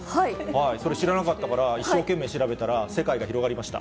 それ、知らなかったから一生懸命調べたら、世界が広がりました。